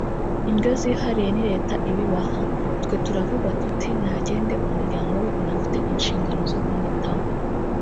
indyo zihariye ni Leta ibibaha… twe turavuga tuti ‘Nagende umuryango we unafite inshingano zo kumwitaho